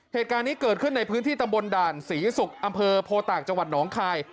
เหตุการณ์นี้เกิดขึ้นในพื้นที่ตำบลด่านศรีศุกร์อำเภอโพตากจังหวัดหนองคาย